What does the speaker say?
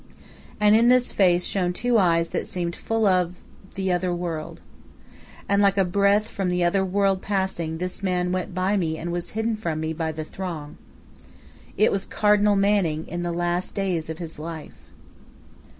And in this face shone two eyes that seemed full of the other world. And, like a breath from the other world passing, this man went by me and was hidden from me by the throng. It was Cardinal Manning in the last days of his life.